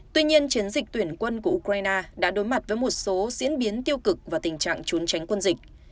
tuy nhiên chiến dịch tuyển quân của ukraine đã đối mặt với một số diễn biến tiêu cực và tình trạng trốn tránh quân dịch